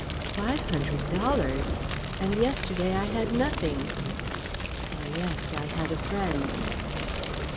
Five hundred dollars! and yesterday I had nothing. Ah, yes, I had _a friend!